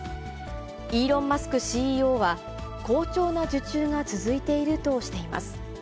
イーロン・マスクＣＥＯは、好調な受注が続いているとしています。